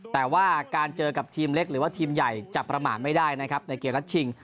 แต่ว่าการเจอกับทีมเล็กหรือว่าทีมใหญ่จะประมาทไม่ได้นะครับในเกมรับชิง